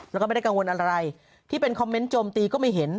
แล้วก็ไม่ได้กังวลอะไรที่เป็นคอมเมนต์โจมตีก็ไม่เห็น